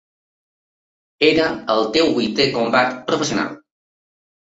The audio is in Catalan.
Era el teu vuitè combat professional.